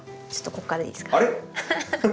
ちょっとここからいいですか？